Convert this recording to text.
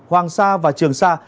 hoàng sa và trường sa